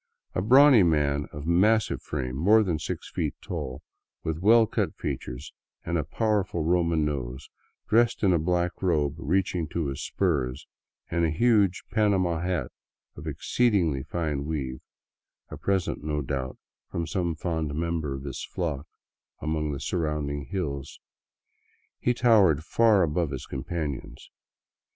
A brawny man of massive frame, more than six feet tall, with well cut features and a powerful Roman nose, dressed in a black robe reaching to his spurs, and a huge " panama " hat of exceedingly fine weave — a present, no doubt, from some fond member of his flock among the surrounding hills — he towered far above his companions.